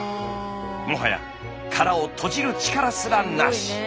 もはや殻を閉じる力すらなし。